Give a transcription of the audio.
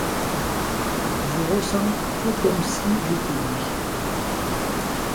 Je ressens tout comme si j’étais lui.